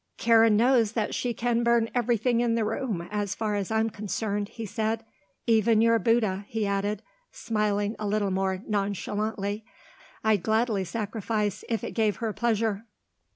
"Karen knows that she can burn everything in the room as far as I'm concerned," he said. "Even your Bouddha," he added, smiling a little more nonchalantly, "I'd gladly sacrifice if it gave her pleasure."